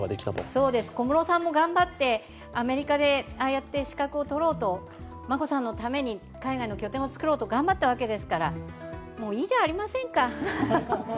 そうです、小室さんも頑張ってアメリカで資格を取ろうと、眞子さんのために海外の拠点を作ろうと頑張ったわけですからもう、いいじゃありませんか。